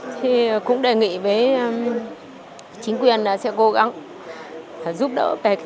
thì cũng đề nghị với chính quyền là sẽ cố gắng giúp đỡ về cái tài chính thôi